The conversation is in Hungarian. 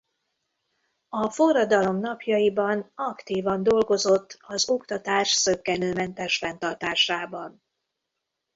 A forradalom napjaiban aktívan dolgozott az oktatás zökkenőmentes fenntartásában.